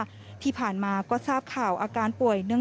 ตอนที่เข้าไปทราบมือคุณพ่อจะขุน